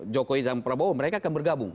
jokowi sama prabowo mereka akan bergabung